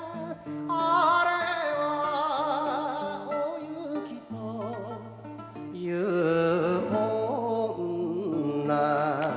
「あれはおゆきという女」